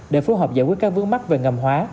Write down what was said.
để phù hợp giải quyết các vướng mắt về ngầm hóa